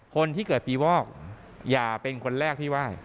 คนที่เกิดปีวอกอย่าเป็นคนแรกที่ไหว้